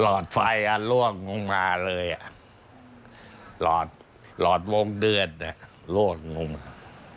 รสไฟลั่วงุ่งมาเลยรสโวงเดือนลั่วงุ่งมาเลย